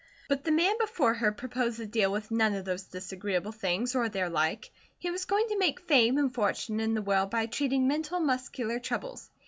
But the man before her proposed to deal with none of those disagreeable things, or their like. He was going to make fame and fortune in the world by treating mental and muscular troubles.